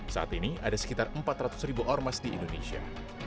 saat ini ada sekitar empat ratus ribu ormas di indonesia